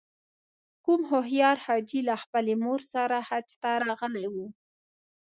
کوم هوښیار حاجي له خپلې مور سره حج ته راغلی و.